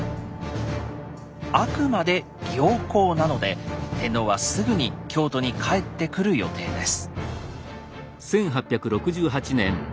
あくまで「行幸」なので天皇はすぐに京都に帰ってくる予定です。